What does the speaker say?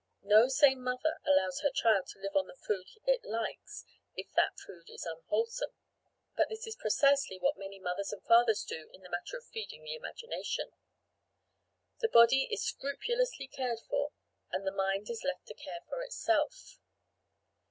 No sane mother allows her child to live on the food it likes if that food is unwholesome; but this is precisely what many mothers and fathers do in the matter of feeding the imagination. The body is scrupulously cared for and the mind is left to care for itself!